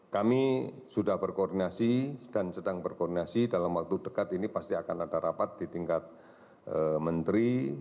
kami sudah berkoordinasi dan sedang berkoordinasi dalam waktu dekat ini pasti akan ada rapat di tingkat menteri